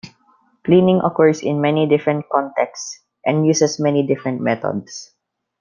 Cleaning occurs in many different contexts, and uses many different methods.